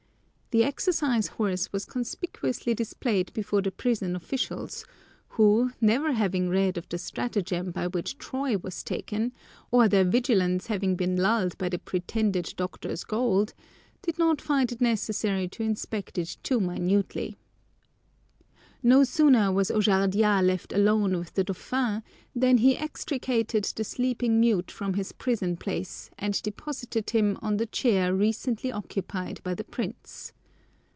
The exercise horse was conspicuously displayed before the prison officials, who, never having read of the stratagem by which Troy was taken, or their vigilance having been lulled by the pretended doctor's gold, did not find it necessary to inspect it too minutely. No sooner was Ojardias left alone with the dauphin than he extricated the sleeping mute from his prison place and deposited him on the chair recently occupied by the prince.